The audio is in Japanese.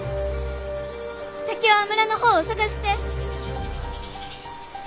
竹雄は村の方を捜して！